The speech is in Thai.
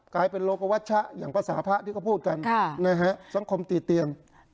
กลายเป็นโลกวัชชะอย่างภาษาพระที่เขาพูดกันสังคมตีเตียง